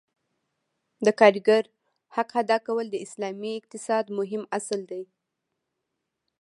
د کارګر حق ادا کول د اسلامي اقتصاد مهم اصل دی.